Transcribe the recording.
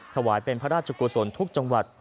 ถวายเป็นพระราชกุศลทุกจังหวัด